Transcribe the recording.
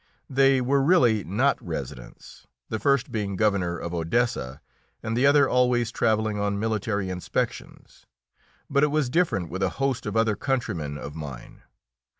They were really not residents, the first being Governor of Odessa and the other always travelling on military inspections, but it was different with a host of other countrymen of mine.